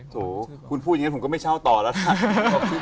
โหคุณพูดอย่างนั้นผมก็ไม่เช่าต่อแล้วล่ะ